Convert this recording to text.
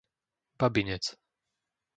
Babinec